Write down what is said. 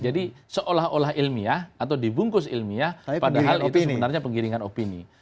jadi seolah olah ilmiah atau dibungkus ilmiah padahal itu sebenarnya penggiringan opini